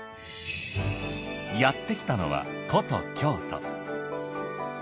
やってきたのは古都・京都。